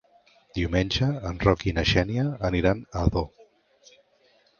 Diumenge en Roc i na Xènia aniran a Ador.